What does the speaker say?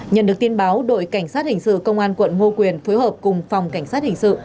nhận được tin báo đội cảnh sát hình sự công an quận ngô quyền phối hợp cùng phòng cảnh sát hình sự